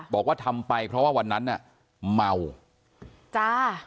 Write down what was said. บอกว่าทำไปเพราะว่าวันนั้นน่ะเมาจ้า